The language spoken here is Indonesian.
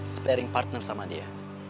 sparing partner sama dia